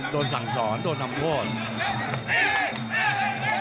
โดนสั่งสอนโดนทำโทษ